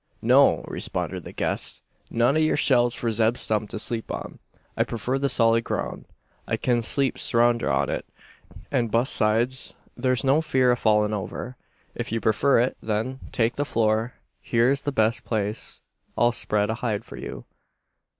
"No," responded the guest; "none o' yer shelves for Zeb Stump to sleep on. I prefer the solid groun'. I kin sleep sounder on it; an bus sides, thur's no fear o' fallin' over." "If you prefer it, then, take the floor. Here's the best place. I'll spread a hide for you."